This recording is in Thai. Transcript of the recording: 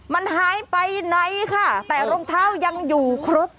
มันหายไปไหนค่ะแต่รองเท้ายังอยู่ครบ